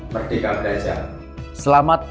merdeka belajar selamat